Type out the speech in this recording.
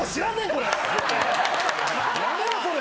やめろそれ！